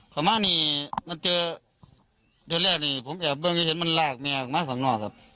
เข้ามามันเจอตอนแรกมันมีมีแรงมันลากแม่ข้างนอก